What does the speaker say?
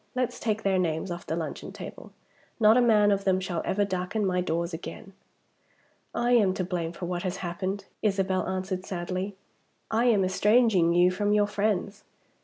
Let's take their names off the luncheon table. Not a man of them shall ever darken my doors again!" "I am to blame for what has happened," Isabel answered sadly. "I am estranging you from your friends.